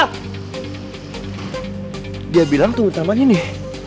heria bilang temen utamanya nih